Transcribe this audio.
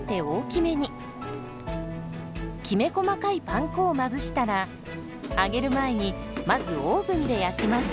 きめ細かいパン粉をまぶしたら揚げる前にまずオーブンで焼きます。